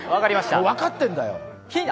分かってるんだよ。